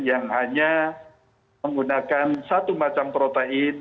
yang hanya menggunakan satu macam protein